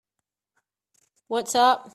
What's up?